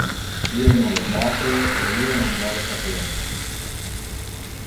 Io non lo sape e io non vole saper lo.